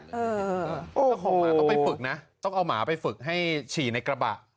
ต้องเอาหมาไปฝึกต้องเอาหมาไปฝึกให้ชีในกระบะ